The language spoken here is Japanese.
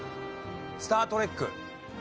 『スター・トレック』。